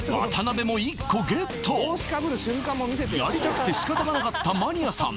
やりたくて仕方がなかったマニアさん